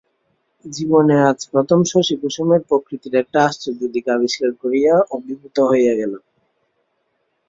জীবনে আজ প্রথম শশী কুসুমের প্রকৃতির একটা আশ্চর্য দিক আবিষ্কার করিয়া অভিভূত হইয়া গেল।